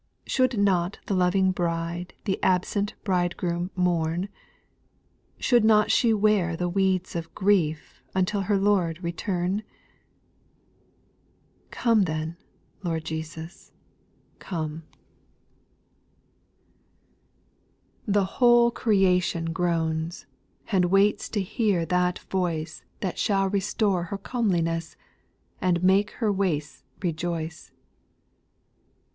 Should not the loving Bride The absent Bridegroom mourn ? Should she not wear the weeds of grief Until her Lord return ? Come t\\cn, Ta>t(V ^\i««l^^ c^wssaX 46 SPIRITUAL SONGS, 5. The whole creation groans, And waits to hear that voice That shall restore her comeliness, And make her wastes rejoice.